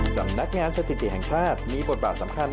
สำนักงานสถิติแห่งชาติมีบทบาทสำคัญ